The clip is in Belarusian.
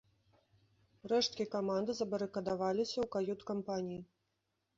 Рэшткі каманды забарыкадаваліся ў кают-кампаніі.